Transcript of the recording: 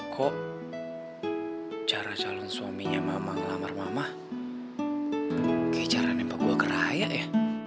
kok cara calon suaminya mama ngelamar mama kayak cara nempel gua ke raya ya